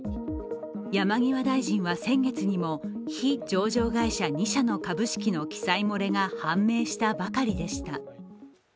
山際大臣は先月にも非上場会社２社の株式の記載漏れが判明したばかりでした。